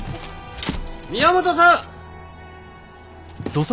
宮本さん！